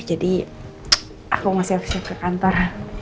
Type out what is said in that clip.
jadi aku mau siap siap ke kantor